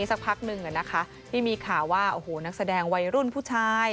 ซักพักหนึ่งมีข่าวว่านักแสดงวัยรุ่นผู้ชาย